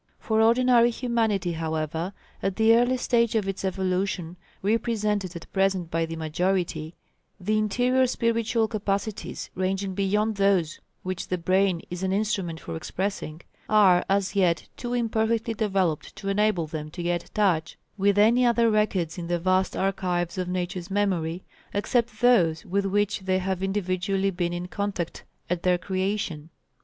For ordinary humanity, however, at the early stage of its evolution represented at present by the majority, the interior spiritual capacities ranging beyond those which the brain is an instrument for expressing, are as yet too imperfectly developed to enable them to get touch with any other records in the vast archives of Nature's memory, except those with which they have individually been in contact at their creation.